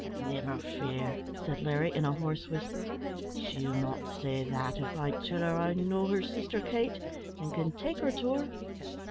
"Niver fear," said Larry, in a hoarse whisper; "she'll not say that if I tell her I know her sister Kate, and can take her to her.